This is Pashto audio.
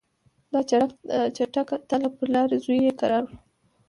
دا چټکه تله پر لار زوی یې کرار وو